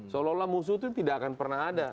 seolah olah musuh itu tidak akan pernah ada